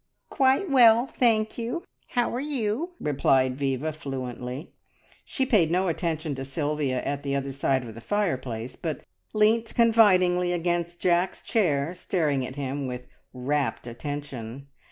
"Quite well, thank you. How are you?" replied Viva fluently. She paid no attention to Sylvia at the other side of the fireplace, but leant confidingly against Jack's chair, staring at him with rapt attention.